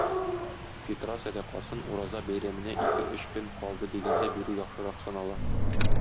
Фитра сәдакасын Ураза бәйрәменә ике-өч көн калды дигәндә бирү яхшырак санала.